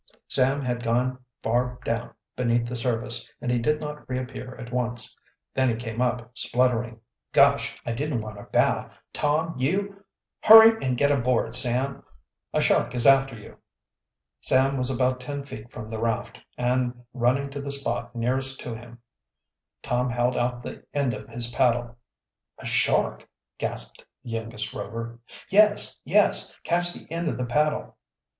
Sam had gone far down beneath the surface and he did not reappear at once. Then he came up spluttering. "Gosh! I didn't want a bath! Tom, you " "Hurry and get aboard, Sam! A shark is after you!" Sam was about ten feet from the raft, and running to the spot nearest to him, Tom held out the end of his paddle. "A shark?" gasped the youngest Rover. "Yes! yes! Catch the end of the paddle!"